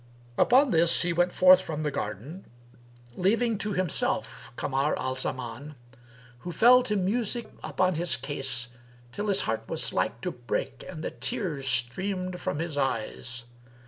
Upon this, he went forth from the garden leaving to himself Kamar al Zaman, who fell to musing upon his case till his heart was like to break and the tears streamed from his eyes.